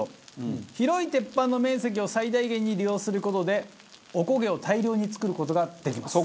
広い鉄板の面積を最大限に利用する事でおこげを大量に作る事ができます。